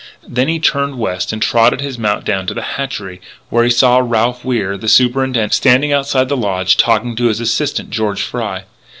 Then he turned west and trotted his mount down to the hatchery, where he saw Ralph Wier, the Superintendent, standing outside the lodge talking to his assistant, George Fry.